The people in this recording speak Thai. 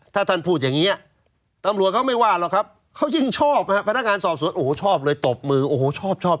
ถ้าท่านพูดอย่างนี้ตำรวจเขาไม่ว่าหรอกครับเขายิ่งชอบฮะพนักงานสอบสวนโอ้โหชอบเลยตบมือโอ้โหชอบชอบ